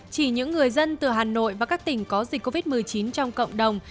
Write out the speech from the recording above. chỉ những người dân từ hà nội và các tỉnh có dịch covid một mươi chín trong cộng đồng